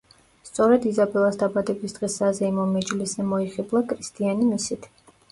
სწორედ იზაბელას დაბადების დღის საზეიმო მეჯლისზე მოიხიბლა კრისტიანი მისით.